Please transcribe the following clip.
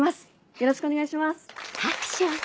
よろしくお願いします。